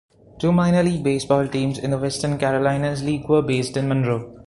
Two minor league baseball teams in the Western Carolinas League were based in Monroe.